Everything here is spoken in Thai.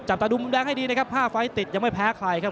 จับตาดูมดังให้ดีนะครับผ้าไฟติดยังไม่แพ้ใครครับ